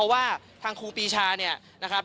ว่าทางครูปีชาเนี่ยนะครับ